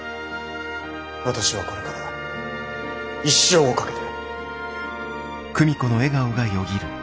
私はこれから一生をかけて。